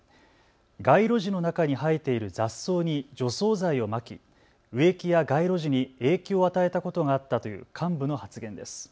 街路樹の中に生えている雑草に除草剤をまき植木や街路樹に影響を与えたことがあったという幹部の発言です。